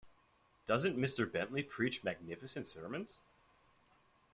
Doesn’t Mr. Bentley preach magnificent sermons?